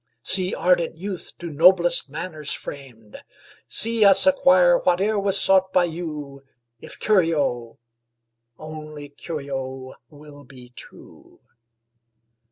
See ardent youth to noblest manners framed! See us acquire whate'er was sought by you, If Curio, only Curio will be true.